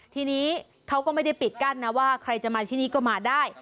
ทีนี้เขาก็ไม่ได้ปิดกั้นนะว่าใครจะมาที่นี่ก็มาได้